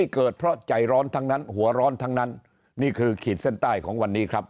เกิดเพราะใจร้อนทั้งนั้นหัวร้อนทั้งนั้นนี่คือขีดเส้นใต้ของวันนี้ครับ